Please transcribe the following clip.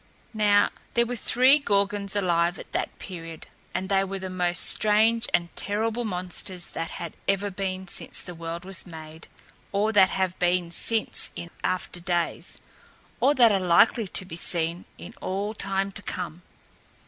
Now, there were three Gorgons alive at that period, and they were the most strange and terrible monsters that had ever been since the world was made, or that have been seen in after days, or that are likely to be seen in all time to come.